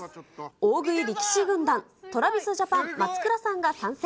大食い力士軍団、ＴｒａｖｉｓＪａｐａｎ・松倉さんが参戦。